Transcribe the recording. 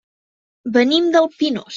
Venim del Pinós.